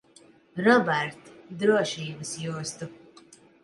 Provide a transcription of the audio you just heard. Robert, drošības jostu.